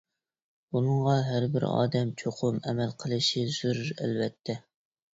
بۇنىڭغا ھەر بىر ئادەم چوقۇم ئەمەل قىلىشى زۆرۈر، ئەلۋەتتە.